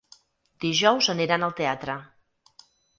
Dijous aniran al teatre.